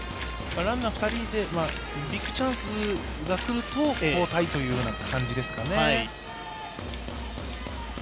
ランナー２人でビッグチャンスが来ると交代という感じですかね。